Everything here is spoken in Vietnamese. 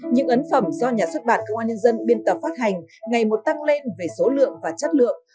những ấn phẩm do nhà xuất bản công an nhân dân biên tập phát hành ngày một tăng lên về số lượng và chất lượng